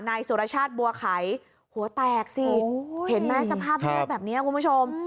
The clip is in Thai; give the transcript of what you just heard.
นายสุรชาติบัวไขหัวแตกสิเห็นไหมสภาพเลือดแบบนี้คุณผู้ชม